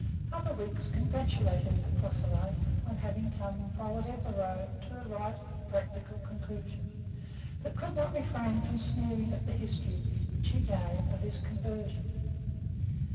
Other Whigs congratulated the proselyte on having come, by whatever road, to a right practical conclusion, but could not refrain from sneering at the history which he gave of his conversion.